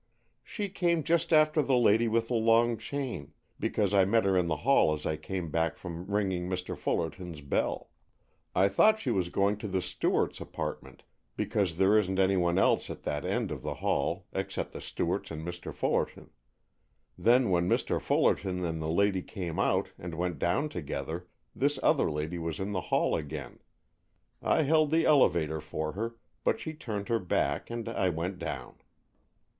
"She came just after the lady with the long chain, because I met her in the hall as I came back from ringing Mr. Fullerton's bell. I thought she was going to the Stewarts' apartment because there isn't anyone else at that end of the hall except the Stewarts and Mr. Fullerton. Then when Mr. Fullerton and the lady came out and went down together, this other lady was in the hall again. I held the elevator for her, but she turned her back and I went down."